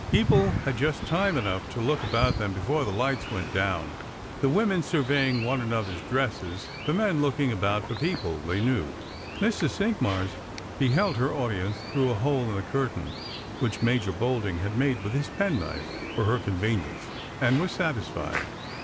People had just time enough to look about them before the lights went down, the women surveying one another's dresses, the men looking about for people they knew. Mrs. Ciiiqmars beheld her audience through a hole in the curtain, which Major Bolding had made with his penknife for her convenience, and was satisfied.